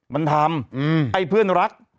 มันทำไอ้เพื่อนรัก